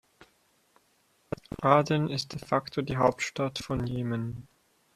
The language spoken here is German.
Aden ist de facto die Hauptstadt von Jemen.